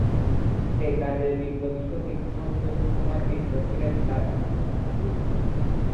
একাজে বিপ্লবী শহীদ সন্তোষ কুমার মিত্র ছিলেন তার অন্যতম সাথী।